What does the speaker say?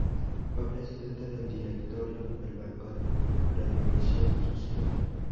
Fue presidente del directorio del Banco de Previsión Social.